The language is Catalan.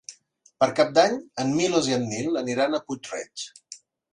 Per Cap d'Any en Milos i en Nil aniran a Puig-reig.